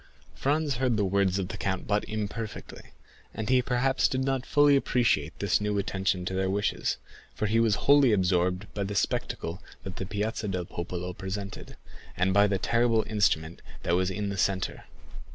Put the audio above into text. Franz heard the words of the count but imperfectly, and he perhaps did not fully appreciate this new attention to their wishes; for he was wholly absorbed by the spectacle that the Piazza del Popolo presented, and by the terrible instrument that was in the centre.